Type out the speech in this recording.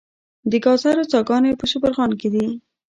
د ګازو څاګانې په شبرغان کې دي